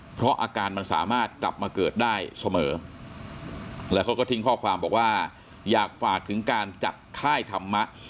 เพราะอาการมันสามารถกลับมาเกิดได้เสมอแล้วเขาก็ทิ้งข้อความบอกว่าอยากฝากถึงการจัดค่ายธรรมะ